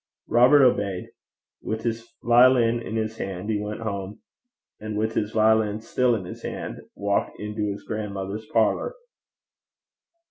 Robert obeyed. With his violin in his hand, he went home; and, with his violin still in his hand, walked into his grandmother's parlour.